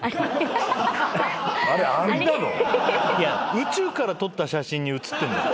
宇宙から撮った写真に写ってんだよ？